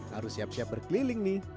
harus siap siap berkeliling nih